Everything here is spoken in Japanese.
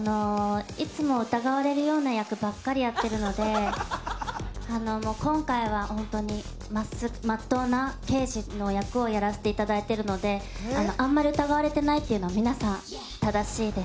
いつも疑われるような役ばっかりやってるので、今回は本当に、まっとうな刑事の役をやらせていただいてるので、あんまり疑われてないというのは、皆さん、正しいです。